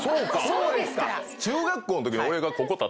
そうですから。